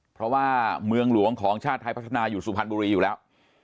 เพราะว่าเมืองหลวงของชาติไทยพัฒนาอยู่สุพรรณบุรีอยู่แล้ว